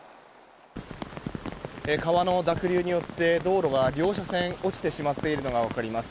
川の濁流によって道路が両車線落ちてしまっているのが分かります。